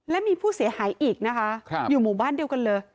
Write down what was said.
และมีผู้เสียหายอีกนะคะอยู่หมู่บ้านเดียวกันเลย